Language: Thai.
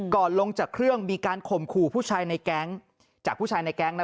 ลงจากเครื่องมีการข่มขู่ผู้ชายในแก๊งจากผู้ชายในแก๊งนะ